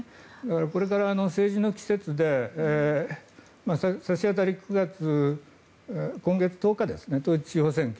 これから政治の季節で差し当たり９月、今月１０日統一地方選挙